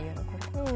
うん。